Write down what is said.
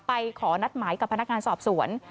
ขอนัดหมายกับพนักงานสอบสวน